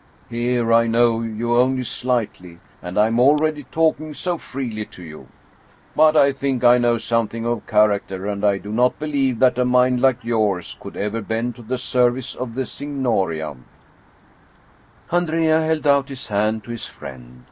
Here I know you only slightly, and I am already talking so freely to you ! But I think I know something of char acter, and I do not believe that a mind like yours could ever bend to the service of the Signoria." Andrea held out his hand to his friend.